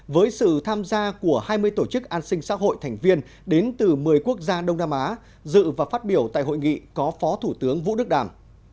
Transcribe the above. với sự tham gia của hai mươi tổ chức an sinh xã hội thành viên đến từ một mươi quốc gia đông nam á dự và phát biểu tại hội nghị có phó thủ tướng vũ đức đàm